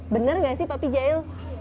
bener gak sih papi jahil